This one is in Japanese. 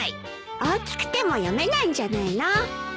大きくても読めないんじゃないの？